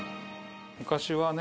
昔はね